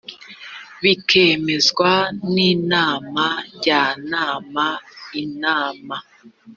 bikemezwa n inama njyanama inama